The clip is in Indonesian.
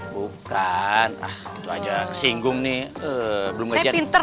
bukan ah gitu aja kesinggung nih belum ngejar ngingung